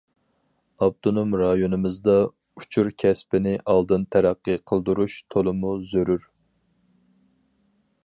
ئاپتونوم رايونىمىزدا ئۇچۇر كەسپىنى ئالدىن تەرەققىي قىلدۇرۇش تولىمۇ زۆرۈر.